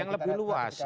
yang lebih luas ya